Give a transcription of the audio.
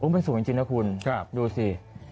มันสูงจริงนะคุณดูสิ